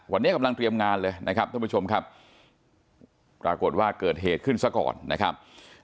วันนี้กำลังเตรียมงานเลยนะครับท่านผู้ชมครับปรากฏว่าเกิดเหตุขึ้นซะก่อนนะครับ